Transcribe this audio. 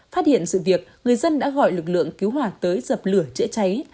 phát hiện sự việc người dân đã gọi lực lượng cứu hỏa tới dập lửa chữa cháy